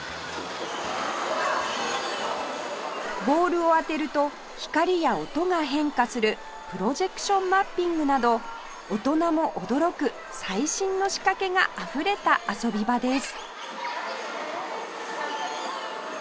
ボールを当てると光や音が変化するプロジェクションマッピングなど大人も驚く最新の仕掛けが溢れた遊び場です